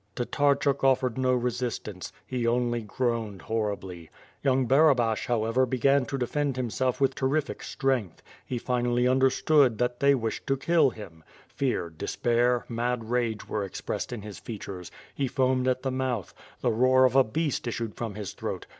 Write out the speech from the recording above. Tatarchuk offered no resistance; he only groaned horribly. Young Barabash, however, began to defend himself with ter rific strength. He finally understood that they wished to kill him; fear, despair, mad rage were expressed in his features. 138 ^^5f'/^ P^i^^ ^^V/) i^WORD. He foamed at the mouth. The roar of a heast issued from his threat.